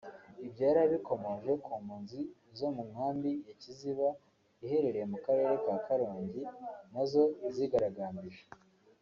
Ibyo yari abikomoje ku mpunzi zo mu nkambi ya Kiziba iherereye mu Karere ka Karongi nazo zigaragambije